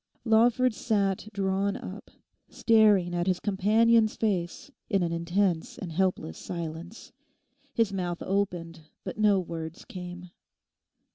Lawford sat drawn up, staring at his companion's face in an intense and helpless silence. His mouth opened but no words came.